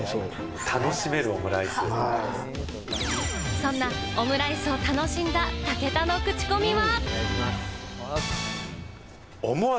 そんなオムライスを楽しんだ武田のクチコミは。